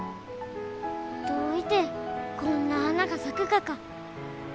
どういてこんな花が咲くがか。